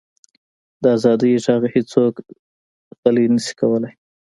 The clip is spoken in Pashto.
د ازادۍ ږغ هیڅوک غلی نه شي کولی.